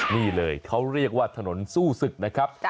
นี่เลยเขาเรียกว่าถนนสู้ศึกนะครับ